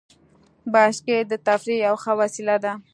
بایسکل د تفریح یوه ښه وسیله ده.